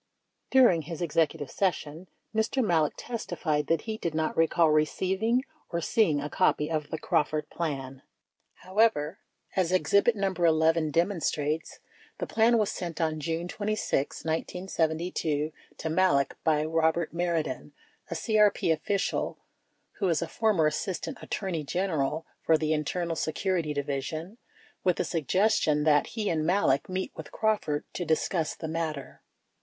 During his Executive Session, Mr. Malek testified that he did not recall receiving or seeing a copy of the "Crawford Plan." However, as exhibit No. 11 demonstrates, the plan was sent on June 26, 1972, to Malek by Eobert Mardian, a CEP official who is a former Assistant Attorney General for the Internal Security Division, with the sug gestion that he and Malek meet with Crawford to discuss the matter.